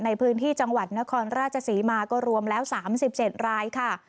ในพื้นที่จังหวัดนครราชศรีมาก็รวมแล้ว๓๗รายค่ะ